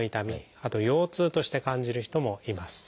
あと腰痛として感じる人もいます。